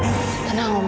yang sepupu banget